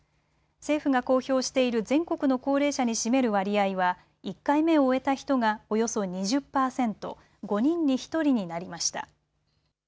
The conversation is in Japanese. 政府が公表している全国の高齢者に占める割合は１回目を終えた人がおよそ２０％、５人に１人になりました。